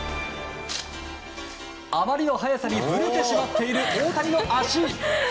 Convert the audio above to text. あまりの速さにブレてしまっている大谷の足。